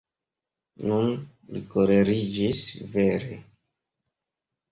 Nun li koleriĝis vere.